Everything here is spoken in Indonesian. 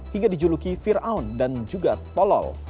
hingga dijuluki fir'aun dan juga tolol